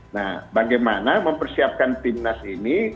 nah bagaimana mempersiapkan timnas ini